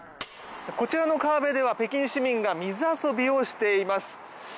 こちらの川辺では北京市民が水遊びをしています。